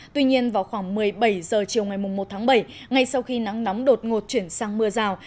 tuy nhiên vào khoảng một mươi bảy h chiều ngày một tháng bảy ngay sau khi nắng nóng đột ngột chuyển sang mưa rào